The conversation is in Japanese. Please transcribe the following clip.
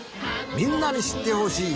みんなにしってほしい